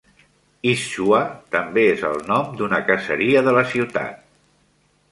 Ischua també és el nom d'una caseria de la ciutat.